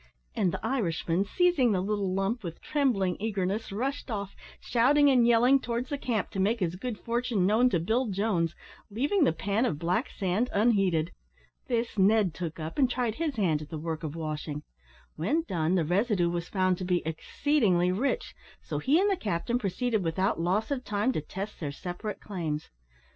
and the Irishman, seizing the little lump with trembling eagerness, rushed off, shouting and yelling, towards the camp to make his good fortune known to Bill Jones, leaving the pan of black sand unheeded. This Ned took up, and tried his hand at the work of washing. When done, the residue was found to be exceedingly rich, so he and the captain proceeded without loss of time to test their separate claims.